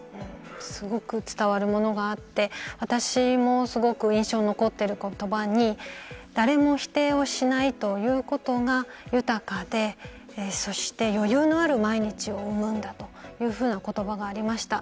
すごく伝わるものがあって私もすごく印象に残っている言葉に誰も否定をしないということが豊かでそして余裕のある毎日を生むんだというふうな言葉がありました。